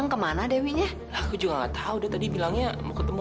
sampai jumpa di video selanjutnya